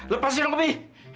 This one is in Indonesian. lepasin dong bi